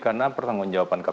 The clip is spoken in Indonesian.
karena pertanggung jawaban kpk